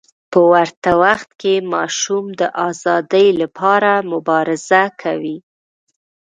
په ورته وخت کې ماشوم د ازادۍ لپاره مبارزه کوي.